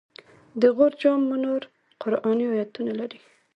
د غور جام منار قرآني آیتونه لري